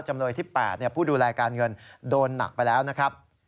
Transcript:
จำเลยที่๘ผู้ดูแลการเงินโดนหนักไปแล้วนะครับ